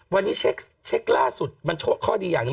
วันนี้เช็คล่าสุดมันข้อดีอย่างหนึ่ง